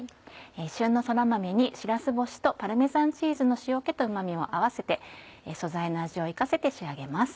旬のそら豆にしらす干しとパルメザンチーズの塩気とうま味を合わせて素材の味を生かして仕上げます。